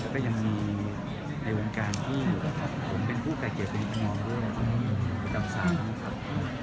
แล้วก็ยังมีในวงการที่ผมเป็นผู้กายเกียรติในทางมองด้วยประจำสามครับ